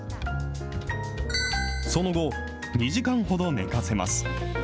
その後、２時間ほど寝かせます。